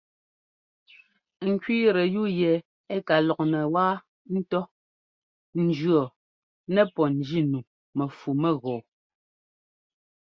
Ŋ kẅíitɛ yúu yɛ ɛ́ ka lɔknɛ wáa ńtɔ́ jʉ̈ɔɔ nɛpɔ́ njínumɛfumɛgɔɔ.